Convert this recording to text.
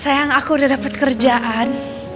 sayang aku udah dapat kerjaan